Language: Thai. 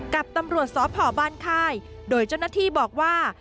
กับตำรวจสพบ้านค่ายโดยเจ้าหน้าที่บอกว่า